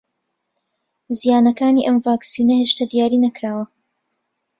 زیانەکانی ئەم ڤاکسینە هێشتا دیاری نەکراوە